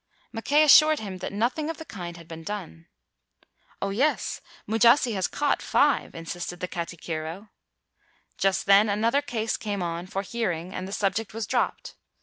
Mackay assured him that nothing of the kind had been done. "Oh, yes, Mujasi has caught five," in sisted the katikiro. Just then another case came on for hear ing and the subject was dropped.